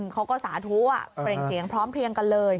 เขาก็สาธุเปลี่ยนเสียงพร้อมเพลียงกันเลย